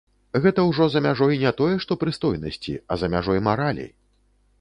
Гэта ужо за мяжой не тое што прыстойнасці, а за мяжой маралі.